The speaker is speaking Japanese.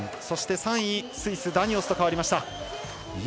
そして３位、スイスダニオスと変わりました。